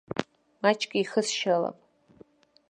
Маҷк еихысшьалап.